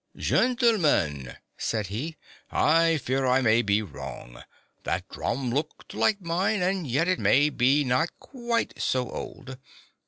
" Gentlemen," said he, " I fear I may be wrong. That drum looked like mine — and yet it is may be not quite so old.